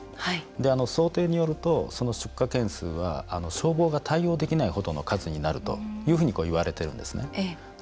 想定によると、その出火件数は消防が対応できない程の数になるというふうにいわれているんです。